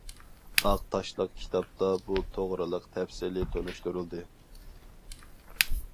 ئاق تاشلىق كىتابتا بۇ توغرىلىق تەپسىلىي تونۇشتۇرۇلدى.